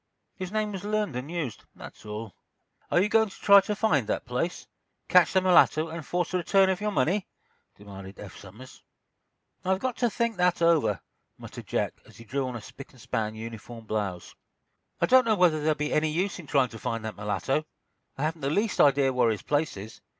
"His name was learned and used—that's all." "Are you going to try to find that place, catch the mulatto and force the return of your money?" demanded Eph Somers. "I've got to think that over," muttered Jack, as he drew on a spick and span uniform blouse. "I don't know whether there'll be any use in trying to find that mulatto. I haven't the least idea where his place is.